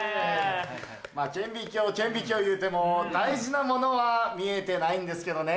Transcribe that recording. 顕微鏡顕微鏡いうても大事なものは見えてないんですけどね。